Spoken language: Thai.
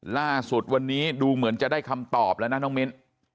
ล่าสุดวันนี้ดูเหมือนจะได้คำตอบแล้วนะน้องมิ้น